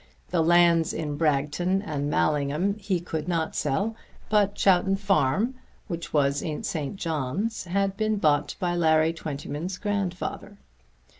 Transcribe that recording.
The lands in Bragton and Mallingham he could not sell; but Chowton Farm which was in St. John's had been bought by Larry Twentyman's grandfather.